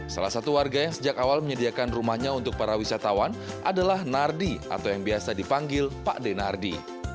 salah satu warga yang sejak awal menyediakan rumahnya untuk para wisatawan adalah nardi atau yang biasa dipanggil pak denardi